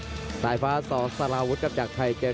ยูเซฟนี่ต้องบอกว่าเป็นยอดมวยจากเบนเยี่ยมครับ